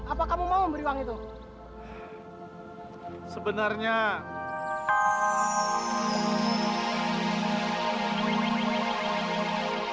apa kamu mau memberi uang itu sebenarnya